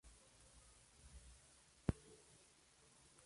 Diseño y animación de fondos: Álvaro Díaz, Pancho Schultz.